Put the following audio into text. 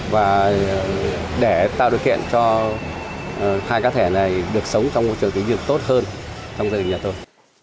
và để tạo điều kiện cho hai cá thể này được sống trong môi trường tính dược tốt hơn trong gia đình nhà tôi